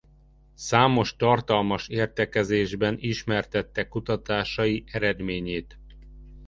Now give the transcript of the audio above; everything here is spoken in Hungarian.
Számos tartalmas értekezésben ismertette kutatásai eredményét.